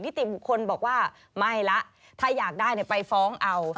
ติบุคคลบอกว่าไม่ละถ้าอยากได้ไปฟ้องเอา